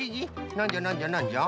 なんじゃなんじゃなんじゃ？